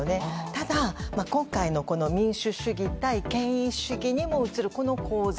ただ、今回の民主主義対権威主義にも映るこの構図。